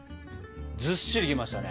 ずっしりきましたね。